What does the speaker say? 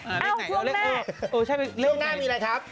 เอ้าเลขไหนเลขไหนเรื่องหน้ามีอะไรครับ